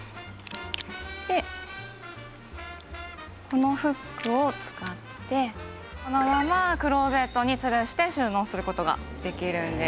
でこのフックを使ってこのままクローゼットにつるして収納する事ができるんです。